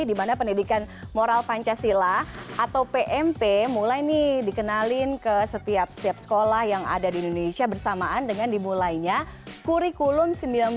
dimana pendidikan moral pancasila atau pmp mulai nih dikenalin ke setiap setiap sekolah yang ada di indonesia bersamaan dengan dimulainya kurikulum seribu sembilan ratus sembilan puluh